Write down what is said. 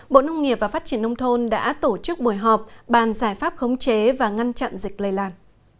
bộ nông nghiệp và phát triển nông thôn đã tổ chức buổi họp bàn giải pháp khống chế và ngăn chặn dịch lây lan